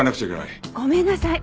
ごめんなさい。